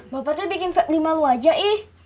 bapaknya bikin febri malu aja eh